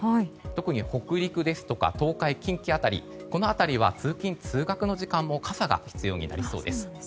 特に北陸ですとか東海、近畿辺りこの辺りは通勤・通学の時間も傘が必要になりそうです。